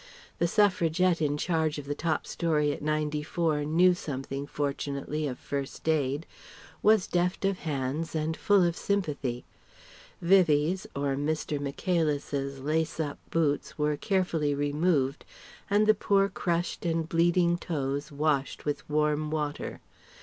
The Suffragette in charge of the top storey at 94 knew something, fortunately, of first aid, was deft of hands and full of sympathy. Vivie's or Mr. Michaelis's lace up boots were carefully removed and the poor crushed and bleeding toes washed with warm water.